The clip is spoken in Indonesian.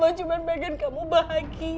mau sampai kapan kamu seperti ini